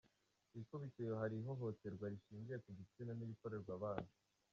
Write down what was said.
Ku ikubitiro hari ihohoterwa rishingiye ku gitsina n’irikorerwa abana.